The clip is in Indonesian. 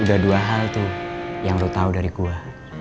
udah dua hal tuh yang lu tau dari gua